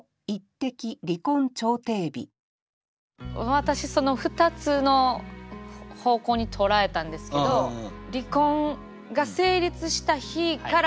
私その２つの方向に捉えたんですけど離婚が成立した日から